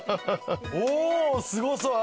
おすごそう！